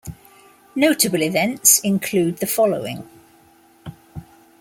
Notable events include the following.